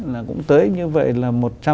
là cũng tới như vậy là